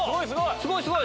すごいすごい！